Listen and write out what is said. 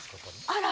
あら。